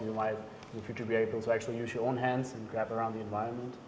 jadi anda bisa menggunakan tangan anda sendiri dan menggabungkan lingkungan